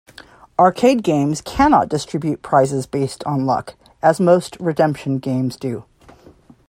Arcade games cannot distribute prizes based on luck, as most redemption games do.